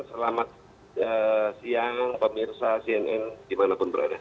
selamat siang pemirsa cnn dimanapun berada